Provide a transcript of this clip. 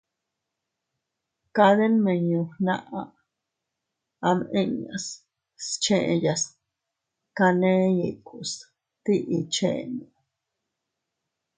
Kade nmiñu fnaʼa am inñas scheyas taney ikus tiʼi chenno.